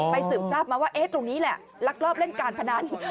สืบทราบมาว่าตรงนี้แหละลักลอบเล่นการพนัน